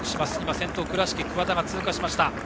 先頭、倉敷の桑田が通過しました。